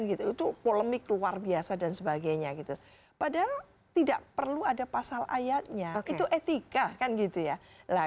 itu polemik luar biasa dan sebagainya padahal tidak perlu ada pasal ayatnya itu etika